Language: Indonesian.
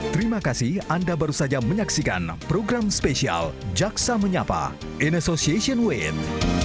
terima kasih anda baru saja menyaksikan program spesial jaksa menyapa in association with